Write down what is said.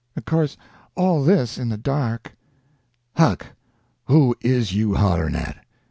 Of course, all this in the dark. "Huck, who is you hollerin' at?"